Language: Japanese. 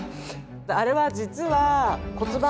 あれは実は骨盤。